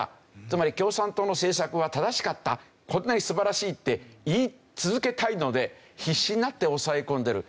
つまり共産党の政策は正しかったこんなに素晴らしいって言い続けたいので必死になって抑え込んでる。